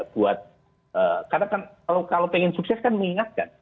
buat karena kan kalau pengen sukses kan mengingatkan